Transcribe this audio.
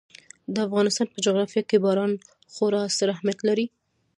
د افغانستان په جغرافیه کې باران خورا ستر اهمیت لري.